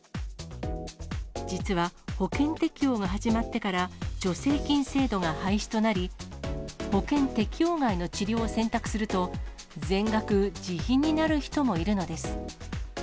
実は、保険適用が始まってから、助成金制度が廃止となり、保険適用外の治療を選択すると、全額自費になる人もいるのです。